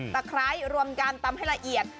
แต่คล้ายรวมกันตำให้ละเอียด